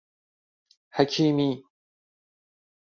حکیمی